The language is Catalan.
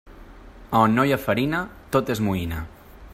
A on no hi ha farina, tot és moïna.